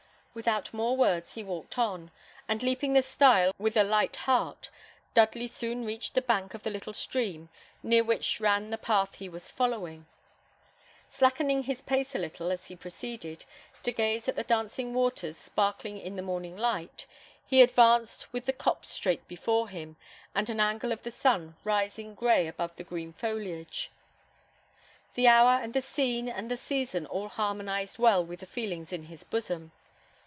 Without more words he walked on; and leaping the stile with a light heart, Dudley soon reached the bank of the little stream near which ran the path he was following. Slackening his pace a little, as he proceeded, to gaze at the dancing waters sparkling in the morning light, he advanced with the copse straight before him, and an angle of the ruin rising gray above the green foliage. The hour and the scene and the season all harmonised well with the feelings in his bosom.